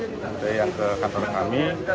nanti yang ke kantor kami